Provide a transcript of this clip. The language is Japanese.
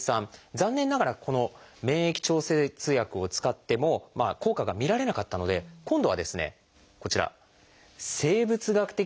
残念ながらこの免疫調節薬を使っても効果が見られなかったので今度はこちら生物学的製剤。